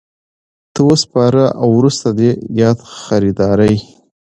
ته وسپاري او وروسته دي د یادي خریدارۍ